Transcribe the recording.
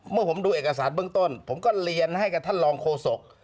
เมื่อผมดูเอกสารเบื้องต้นผมก็เรียนให้กับท่านรองโฆษก